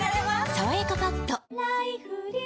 「さわやかパッド」